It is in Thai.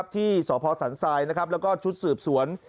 ที่สพสันทรายแล้วก็ชุดสืบสวน